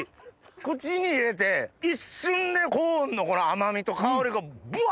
口に入れて一瞬でコーンのこの甘みと香りがぶわ！